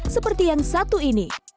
seperti yang satu ini